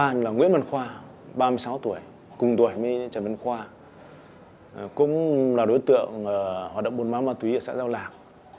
cũng tên là nguyễn văn khoa ba mươi sáu tuổi cùng tuổi với trần văn khoa cũng là đối tượng hoạt động bồn máu ma túy ở xã giao lạc